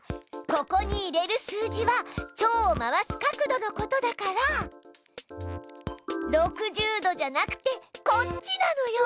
ここに入れる数字はチョウを回す角度のことだから６０度じゃなくてこっちなのよ！